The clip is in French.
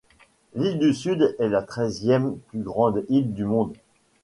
L'île du Sud est la treizième plus grande île au monde.